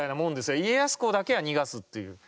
家康公だけは逃がすっていう。